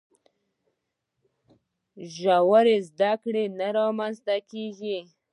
ژورې زده کړې نه رامنځته کیږي.